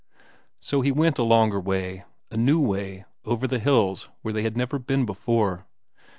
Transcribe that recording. So he went a longer way; a new way, over the hills where he had never been before.